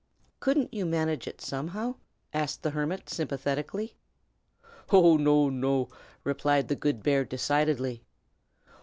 "Couldn't you manage it, somehow?" asked the hermit, sympathetically. "Oh, no! no!" replied the good bear, decidedly.